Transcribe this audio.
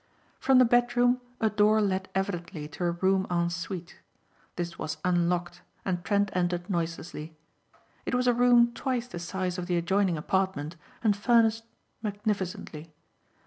From the bedroom a door led evidently to a room en suite. This was unlocked and Trent entered noiselessly. It was a room twice the size of the adjoining apartment and furnished magnificently.